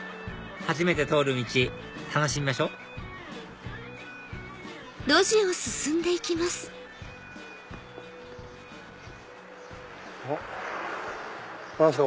初めて通る道楽しみましょあっ何すか？